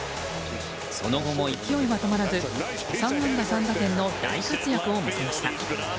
その後も勢いは止まらず３安打３打点の大活躍を見せました。